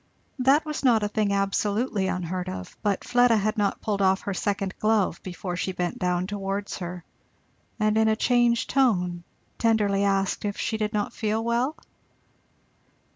That was not a thing absolutely unheard of, but Fleda had not pulled off her second glove before she bent down towards her and in a changed tone tenderly asked if she did not feel well?